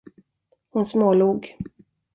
Hon smålog.